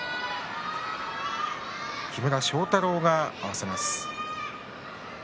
木村庄太郎が合わせます。